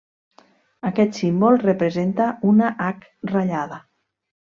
Aquest símbol representa una hac ratllada.